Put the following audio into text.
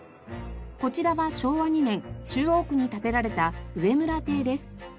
こちらは昭和２年中央区に建てられた植村邸です。